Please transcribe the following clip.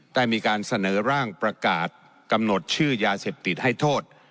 ได้มีการเสนอร่างประกาศกำหนดชื่อยาเสพติดให้โทษ